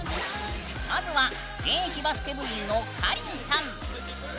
まずは、現役バスケ部員のかりんさん。